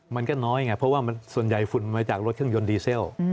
มันก็น้อยไงเพราะว่าส่วนใหญ่ฝุ่นมาจากรถเครื่องยนต์ดีเซล